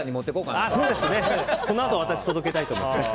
このあと私届けたいと思います。